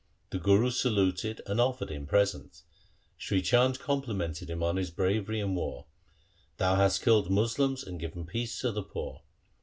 The Guru saluted and offered him presents. Sri Chand complimented him on his bravery in war :' Thou hast killed Moslems and given peace to the poor.'